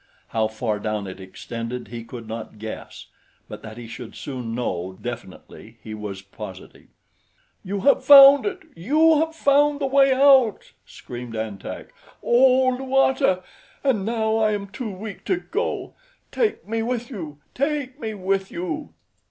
How far down it extended he could not guess; but that he should soon know definitely he was positive. "You have found it! You have found the way out!" screamed An Tak. "Oh, Luata! And now I am too weak to go. Take me with you! Take me with you!"